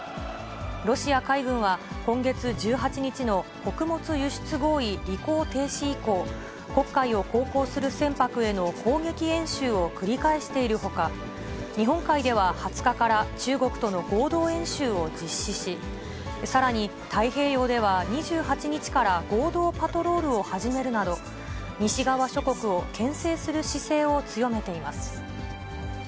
ロシア海軍は、今月１８日の穀物輸出合意履行停止以降、黒海を航行する船舶への攻撃演習を繰り返しているほか、日本では２０日から、中国との合同演習を実施し、さらに太平洋では２８日から合同パトロールを始めるなど、西側諸国をけん制する姿勢を強めています。